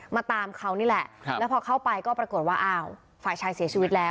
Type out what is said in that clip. มาตามเขานี่แหละแล้วพอเข้าไปก็ปรากฏว่าอ้าวฝ่ายชายเสียชีวิตแล้ว